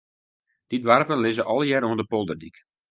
Dy doarpen lizze allegear oan de polderdyk.